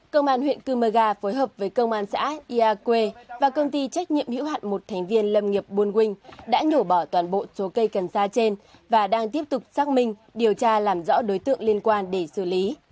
công an huyện cơ mơ ga phối hợp với công an xã iaque và công ty trách nhiệm hữu hạn một thành viên lâm nghiệp buôn winh đã nhổ bỏ toàn bộ số cây cần sa trên và đang tiếp tục xác minh điều tra làm rõ đối tượng liên quan để xử lý